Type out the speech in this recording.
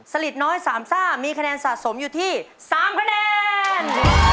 ลิดน้อย๓ซ่ามีคะแนนสะสมอยู่ที่๓คะแนน